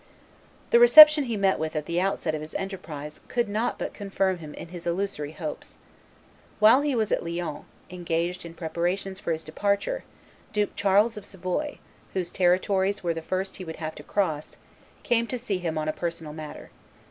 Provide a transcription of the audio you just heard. The reception he met with at the outset of his enterprise could not but confirm him in his illusory hopes. Whilst he was at Lyons, engaged in preparations for his departure, Duke Charles of Savoy, whose territories were the first he would have to cross, came to see him on a personal matter.